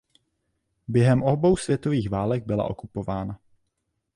Během obou světových válek byla okupována.